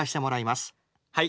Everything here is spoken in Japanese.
はい。